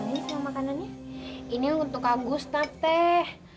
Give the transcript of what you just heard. ini untuk agusta teh